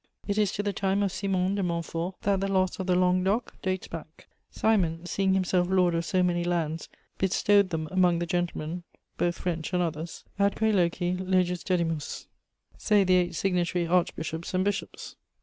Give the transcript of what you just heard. It is to the time of Simon de Montfort that the loss of the langue d'Oc dates back: "Simon, seeing himself lord of so many lands, bestowed them among the gentle men, both French and others, atque loci leges dedimus," say the eight signatory archbishops and bishops.